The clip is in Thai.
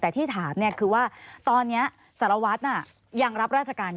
แต่ที่ถามคือว่าตอนนี้สารวัตรยังรับราชการอยู่